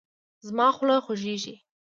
زما خوله خوږیږي